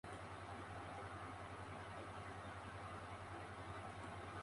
medios de comunicación que se construyen según pautas cooperativas: